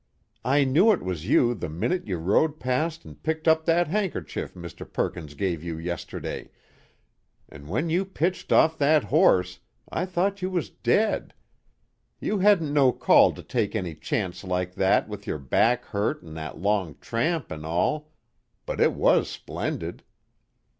"I knew it was you the minute you rode past an' picked up that handkerchief Mr. Perkins give you yesterday, an' when you pitched off that horse I thought you was dead. You hadn't no call to take any chance like that with your back hurt an' that long tramp an' all; but it was splendid."